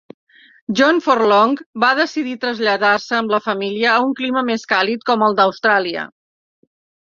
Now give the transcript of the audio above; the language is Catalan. John Forlonge va decidir traslladar-se amb la família a un clima més càlid com el d'Austràlia.